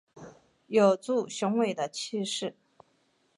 有著雄伟的气势